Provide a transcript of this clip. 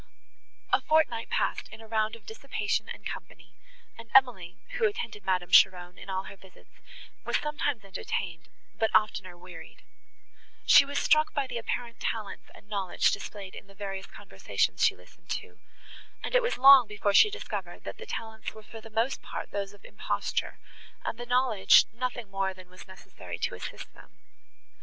A fortnight passed in a round of dissipation and company, and Emily, who attended Madame Cheron in all her visits, was sometimes entertained, but oftener wearied. She was struck by the apparent talents and knowledge displayed in the various conversations she listened to, and it was long before she discovered, that the talents were for the most part those of imposture, and the knowledge nothing more than was necessary to assist them.